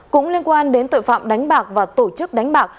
cũng liên quan đến tội phạm đánh bạc và tổ chức đánh bạc